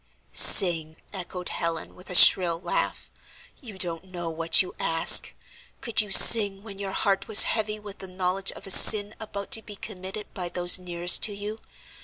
"Sing!" echoed Helen, with a shrill laugh, "you don't know what you ask. Could you sing when your heart was heavy with the knowledge of a sin about to be committed by those nearest to you?